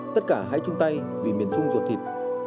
tất cả hãy chung tay vì miền trung ruột thịt